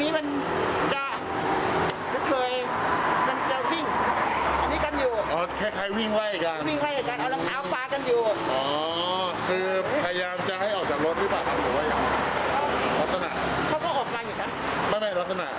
ไม่ให้ขวางทางเข้าไป